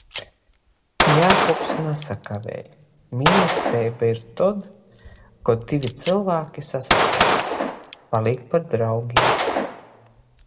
Jākubs nasakavej: Mīlesteiba ir tod, kod div cylvāki sasateik, palīk par draugim.